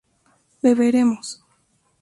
beberemos